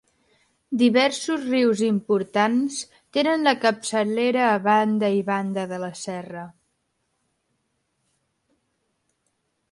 Diversos rius importants tenen la capçalera a banda i banda de la serra.